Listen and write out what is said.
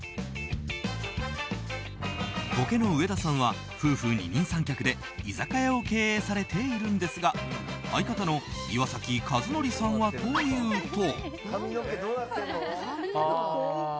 ボケの上田さんは夫婦二人三脚で居酒屋を経営されているんですが相方の岩崎一則さんはというと。